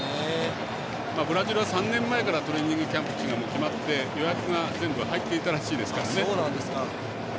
ブラジルは３年前からトレーニングキャンプ地が決まっていて予約が全部入っていたらしいです。